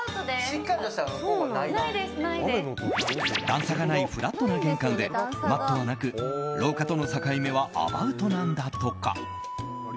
段差がないフラットな玄関でマットはなく廊下との境目はアバウトなんだとか。